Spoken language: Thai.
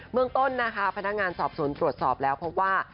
เมืองต้นนะคะพนักงานสอบสวนตรวจสอบแล้วพบว่า